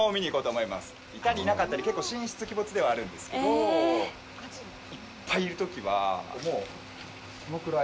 いたりいなかったり、結構神出鬼没ではあるんですけどいっぱいいるときはもう、このくらい。